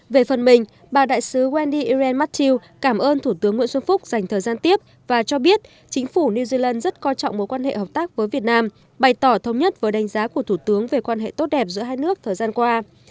về phần mình bà đại sứ wendy iren matthew cảm ơn thủ tướng nguyễn xuân phúc dành thời gian tiếp và cho biết chính phủ new zealand rất coi trọng mối quan hệ hợp tác với việt nam bày tỏ thông nhất với đánh giá của thủ tướng về quan hệ tốt đẹp giữa hai nước thời gian qua